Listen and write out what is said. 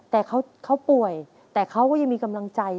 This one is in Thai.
แต่เขาป่วยแต่เขาก็ยังมีกำลังใจ